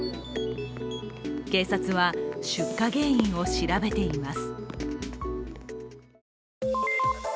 警察は、出火原因を調べています。